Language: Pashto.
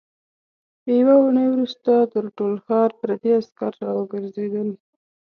يوه اوونۍ وروسته تر ټول ښار پردي عسکر راوګرځېدل.